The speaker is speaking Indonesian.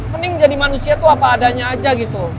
mending jadi manusia tuh apa adanya aja gitu